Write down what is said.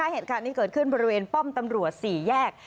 เหตุการณ์นี้เกิดขึ้นบริเวณป้อมตำรวจ๔แยก